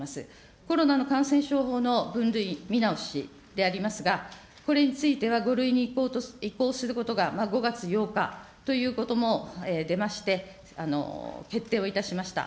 コロナの感染症法の分類見直しでありますが、これについては、５類に移行することが、５月８日ということも出まして、決定をいたしました。